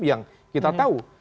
yang kita tahu